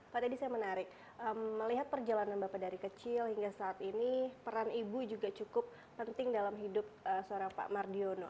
pak teddy saya menarik melihat perjalanan bapak dari kecil hingga saat ini peran ibu juga cukup penting dalam hidup seorang pak mardiono